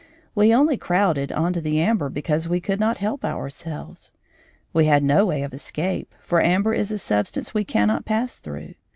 We only crowded on to the amber because we could not help ourselves; we had no way of escape, for amber is a substance we cannot pass through.